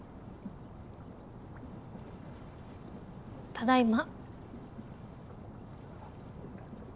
ただいま。